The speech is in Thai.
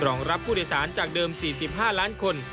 รองรับผู้โดยสารจากเดิม๔๕ล้านคน